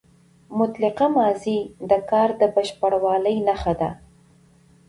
مطلقه ماضي د کار د بشپړوالي نخښه ده.